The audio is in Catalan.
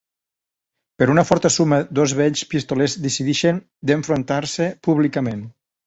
Per una forta suma dos vells pistolers decideixen d'enfrontar-se públicament.